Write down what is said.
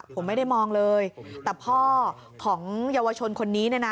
ผมไม่ได้มองเลยแต่พ่อของเยาวชนคนนี้เนี่ยนะ